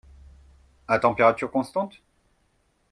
À température constante?